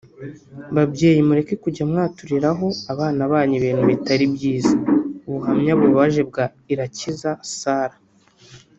Babyeyi mureke kujya mwaturiraho abana banyu ibintu bitari byiza (Ubuhamya bubabaje bwa Irakiza Sarah)